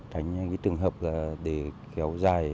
tránh cái trường hợp là để kéo dài